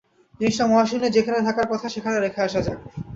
জিনিসটা মহাশূন্যে যেখানে থাকার কথা সেখানে রেখে আসা যাক।